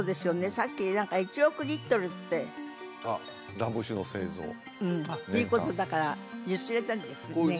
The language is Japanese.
さっき何か１億リットルってあっラム酒の製造うんということだから揺すれたんじゃない？